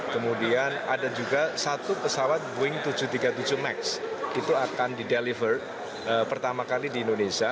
kemudian ada juga satu pesawat boeing tujuh ratus tiga puluh tujuh max itu akan dideliver pertama kali di indonesia